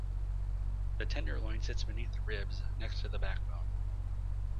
The tenderloin sits beneath the ribs, next to the backbone.